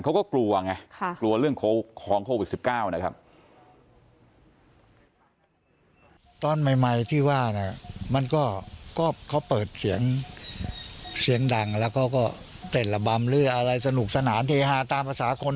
เขาก็กลัวไงกลัวเรื่องของโควิด๑๙นะครับ